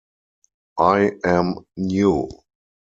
I am new.